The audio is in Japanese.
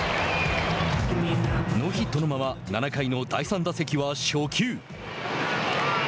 ノーヒットのまま７回の第３打席は初球。